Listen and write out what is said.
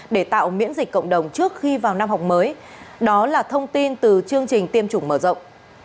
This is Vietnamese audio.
để tạo miễn dịch cộng đồng trước khi vào năm học mới đó là thông tin từ chương trình tiêm chủng mở rộng